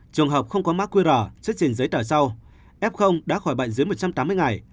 trường hợp không có mã qr xuất trình giấy tờ sau f đã khỏi bệnh dưới một trăm tám mươi ngày